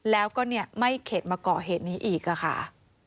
แล้วก็ไม่เข็ดมาก่อเหตุนี้อีกค่ะ